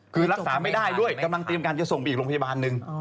คือรักษาไม่ได้ด้วยกำลังเตรียมการจะส่งไปอีกโรงพยาบาลหนึ่ง